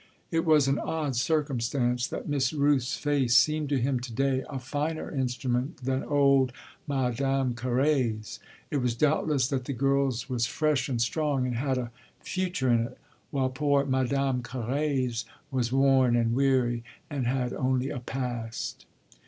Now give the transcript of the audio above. It was an odd circumstance that Miss Rooth's face seemed to him to day a finer instrument than old Madame Carré's. It was doubtless that the girl's was fresh and strong and had a future in it, while poor Madame Carré's was worn and weary and had only a past.